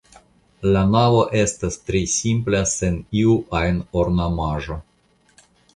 La navo estas tre simpla sen iu ajn ornamaĵo.